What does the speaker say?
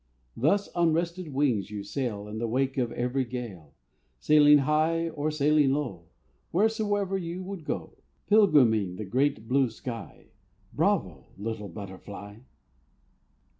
Thus on rested wings you sail In the wake of every gale, Sailing high, or sailing low, Wheresoever you would go; Pilgriming the great, blue sky; Bravo, little butterfly!